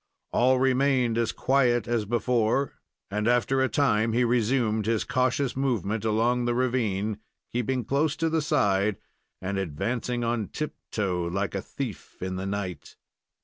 All remained as quiet as before, and, after a time, he resumed his cautious movement along the ravine, keeping close to the side, and advancing on tip toe, like a thief in the night.